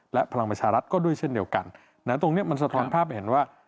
และพลังประชารัฐก็ด้วยเช่นเดียวกันตรงนี้มันสะท้อนภาพเห็นว่า